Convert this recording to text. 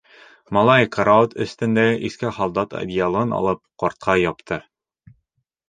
Малай, карауат өҫтөндәге иҫке һалдат одеялын алып, ҡартҡа япты.